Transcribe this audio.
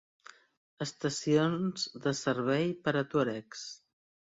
Estacions de servei per a tuaregs.